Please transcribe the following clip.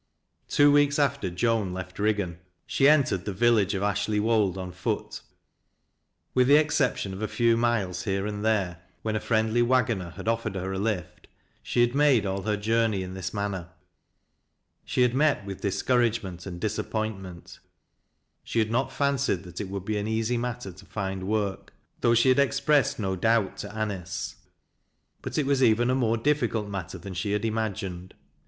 Two weeks after Joan left Riggan, she entered the vil Ifeffe of Ashley Wold on foot. With the exception of t few miles here and there, when a friendly wagoner had offered her a lift, she had made all her journey in thie manner. She had met with discouragement and disap pointraent. She had not fancied that it would be an easy matter to find work, though she had expressed no doubt to A nice, but it was even a more difficult matter than she had imagined.